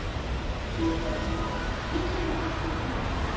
記事を書く時のルール